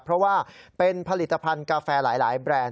เพราะว่าเป็นผลิตภัณฑ์กาแฟหลายแบรนด์